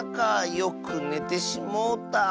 よくねてしもうた。